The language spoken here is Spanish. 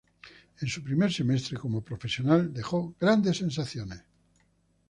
En su primer semestre como profesional dejó grandes sensaciones.